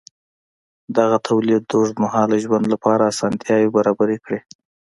دغه تولید د اوږدمهاله ژوند لپاره اسانتیاوې برابرې کړې.